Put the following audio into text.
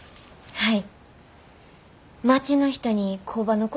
はい！